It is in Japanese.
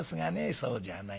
そうじゃない。